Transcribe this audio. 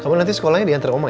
kamu nanti sekolahnya diantar oma